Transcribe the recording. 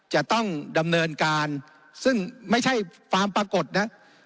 จะต้องดำเนินการซึ่งไม่ใช่ความปรากฏนะครับ